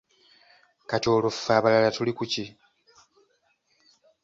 Kati olwo ffe abalala tuli ku ki?